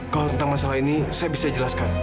kalau tentang masalah ini saya bisa jelaskan